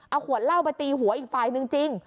เอาขวดเหล้าไปตีหัวอีกฝ่ายนึงจริง